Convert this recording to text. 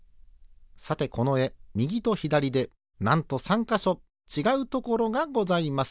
さてこのえみぎとひだりでなんと３かしょちがうところがございます。